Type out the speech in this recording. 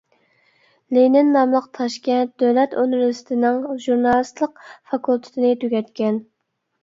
لېنىن ناملىق تاشكەنت دۆلەت ئۇنىۋېرسىتېتىنىڭ ژۇرنالىستلىق فاكۇلتېتىنى تۈگەتكەن.